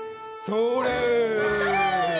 それ！